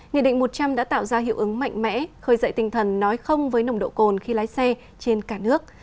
nghị định một trăm linh đã tạo ra hiệu ứng mạnh mẽ khơi dậy tinh thần nói không với nồng độ cồn khi lái xe trên cả nước